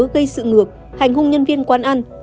gây sự ngược hành hung nhân viên quán ăn